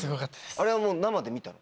あれは生で見たの？